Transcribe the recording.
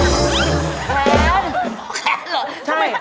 แขนเหรอใช่